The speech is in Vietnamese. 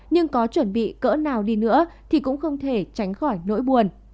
nhưng có chuẩn bị cỡ nào đi nữa thì cũng không thể tránh khỏi nỗi buồn